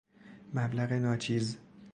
مبلغ ناچیز